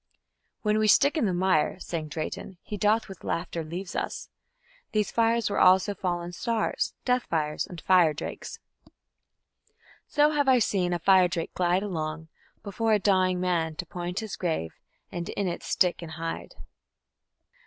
"When we stick in the mire", sang Drayton, "he doth with laughter leave us." These fires were also "fallen stars", "death fires", and "fire drakes": So have I seen a fire drake glide along Before a dying man, to point his grave, And in it stick and hide.